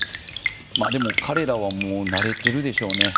でも、彼らは慣れているでしょう。